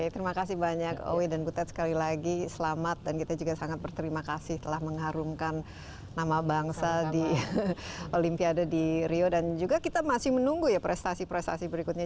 terima kasih banyak owi dan butet sekali lagi selamat dan kita juga sangat berterima kasih telah mengharumkan nama bangsa di olimpiade di rio dan juga kita masih menunggu ya prestasi prestasi berikutnya